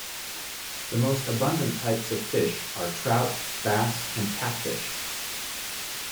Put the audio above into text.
The most abundant types of fish are trout, bass and catfish.